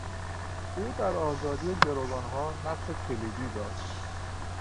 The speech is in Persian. او در آزادی گروگانها نقش کلیدی داشت.